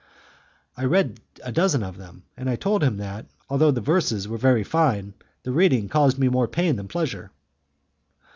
I read a dozen of them, and I told him that, although the verses were very fine, the reading caused me more pain than pleasure.